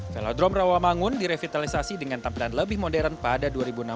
velodrome rawamangun direvitalisasi dengan tampilan lebih modern pada dua ribu enam belas